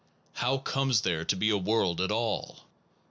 How comes there to be a world at all?